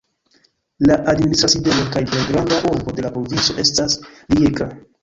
La administra sidejo kaj plej granda urbo de la provinco estas Rijeka.